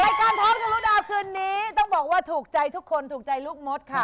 ท้องทะลุดาวคืนนี้ต้องบอกว่าถูกใจทุกคนถูกใจลูกมดค่ะ